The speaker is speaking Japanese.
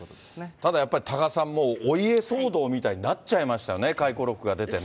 ただやっぱり、多賀さん、もうお家騒動みたいになっちゃいましたよね、回顧録が出てね。